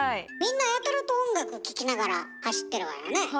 みんなやたらと音楽聴きながら走ってるわよね。